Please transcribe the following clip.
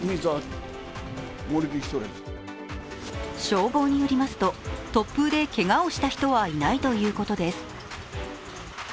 消防によりますと突風でけがをした人はいないということです。